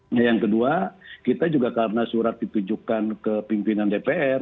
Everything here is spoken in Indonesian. nah yang kedua kita juga karena surat ditujukan ke pimpinan dpr